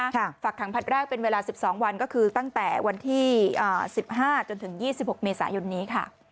ฝากขังผลัดแรกเป็นเวลา๑๒วันก็คือตั้งแต่วันที่๑๕จนถึง๒๖เมษายนนี้ค่ะ